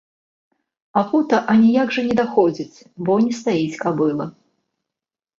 А пута аніяк жа не даходзіць, бо не стаіць кабыла.